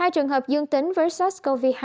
hai trường hợp dương tính với sars cov hai